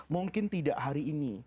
mungkin tidak hari ini